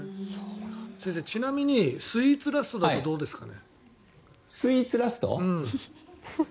先生、ちなみにスイーツラストだとどうですかね？